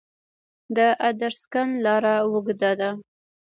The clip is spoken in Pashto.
د ادرسکن لاره اوږده ده